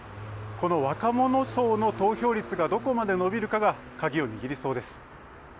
この若者層の投票率がどこまで伸びるかが鍵を握りそうです。